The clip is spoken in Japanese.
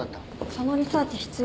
そのリサーチ必要？